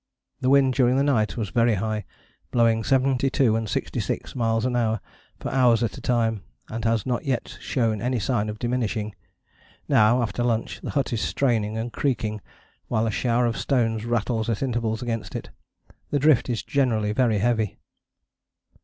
The wind during the night was very high, blowing 72 and 66 miles an hour, for hours at a time, and has not yet shown any sign of diminishing. Now, after lunch, the hut is straining and creaking, while a shower of stones rattles at intervals against it: the drift is generally very heavy."